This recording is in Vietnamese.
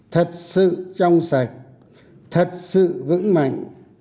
thật sự trong sạch thật sự vững mạnh